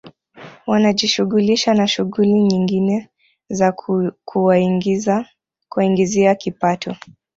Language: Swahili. Wanajishughulisha na shughuli nyingine za kuwaingizia kipato